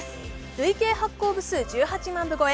累計発行部数１８万分超え